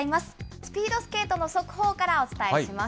スピードスケートの速報からお伝えします。